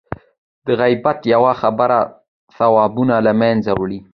د غیبت یوه خبره ثوابونه له منځه وړي.